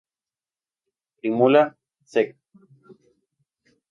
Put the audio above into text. Primula secc.